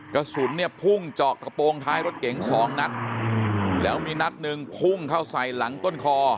กระสุนเนี่ยพุ่งเจาะกระโปรงท้ายรถเก๋งสองนัดแล้วมีนัดหนึ่งพุ่งเข้าใส่หลังต้นคอ